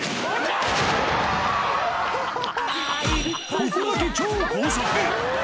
ここだけ超高速。